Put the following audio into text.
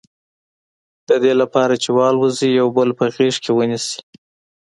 د دې لپاره چې والوزي یو بل په غېږ کې ونیسي.